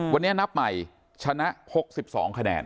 วันนี้นับใหม่ชนะ๖๒คะแนน